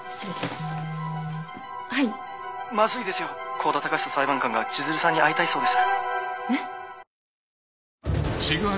香田隆久裁判官が千鶴さんに会いたいそうです。